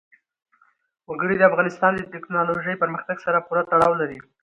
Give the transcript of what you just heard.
وګړي د افغانستان د تکنالوژۍ پرمختګ سره پوره تړاو لري.